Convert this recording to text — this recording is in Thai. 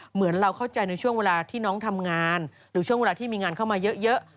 เหมือนเราเข้าใจในช่วงเวลาที่น้องทำงานหรือช่วงเวลาที่มีงานเข้ามาเยอะ